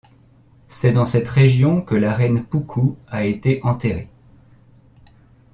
C'est dans cette région que la Reine Poukou a été enterrée.